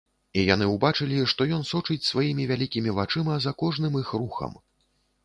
І яны ўбачылі, што ён сочыць сваімі вялікімі вачыма за кожным іх рухам.